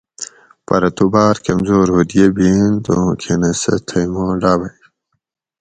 پرہ تؤ بار کمزور ہوُت یہ بیِٔنت اوں کھنہ سہ تھئ ما ڈآبئ